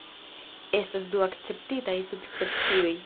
Estas du akceptitaj subspecioj.